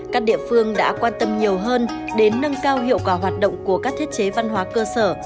các địa phương đã quan tâm nhiều hơn đến nâng cao hiệu quả hoạt động của các thiết chế văn hóa cơ sở